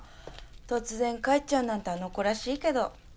とつぜん帰っちゃうなんてあの子らしいけど。